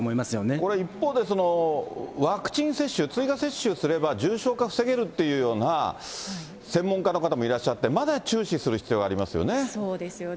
これ一方で、ワクチン接種、追加接種すれば重症化防げるっていうような専門家の方もいらっしゃって、まだ注視する必要がありますよね。